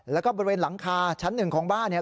แล้วก็บริเวณหลังคาชั้นหนึ่งของบ้านเนี่ย